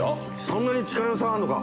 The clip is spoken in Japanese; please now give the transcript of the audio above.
そんなに力の差あるのか。